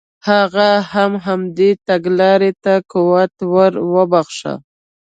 هغه هم همدغې تګلارې ته قوت ور وبخښه.